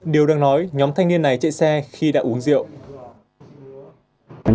điều đang nói nhóm thanh niên này chạy xe khi đã uống rượu